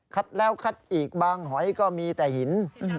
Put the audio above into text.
แล้วคัดอีกบางหอยก็มีแต่หิน